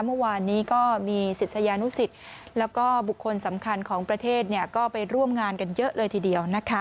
เมื่อวานนี้ก็มีศิษยานุสิตแล้วก็บุคคลสำคัญของประเทศก็ไปร่วมงานกันเยอะเลยทีเดียวนะคะ